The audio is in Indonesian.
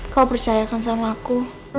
kau percayakan sama aku